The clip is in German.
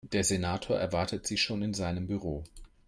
Der Senator erwartet Sie schon in seinem Büro.